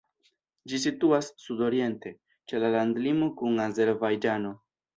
Ĝi situas sudoriente, ĉe la landlimo kun Azerbajĝano.